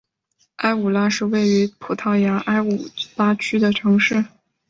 埃武拉是位于葡萄牙埃武拉区的城市。